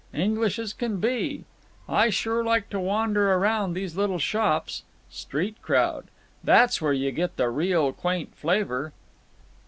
English as can be…. I sure like to wander around these little shops. Street crowd. That's where you get the real quaint flavor."